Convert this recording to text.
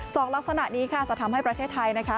ส่องลักษณะนี้จะทำให้ประเทศไทย